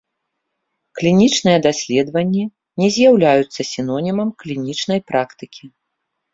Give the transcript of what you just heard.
Клінічныя даследаванні не з'яўляюцца сінонімам клінічнай практыкі.